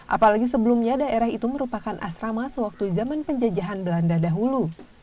apalagi sebelumnya daerah itu merupakan asrama sewaktu zaman penjajahan belanda dahulu